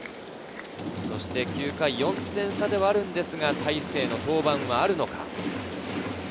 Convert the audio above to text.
そして９回、４点差ではあるのですが、大勢の登板はあるのか。